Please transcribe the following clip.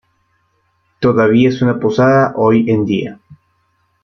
Todavía es una posada hoy en día.